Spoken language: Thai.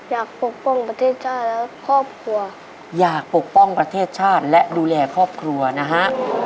ปกป้องประเทศชาติและครอบครัวอยากปกป้องประเทศชาติและดูแลครอบครัวนะฮะ